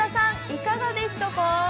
いかがでしたか？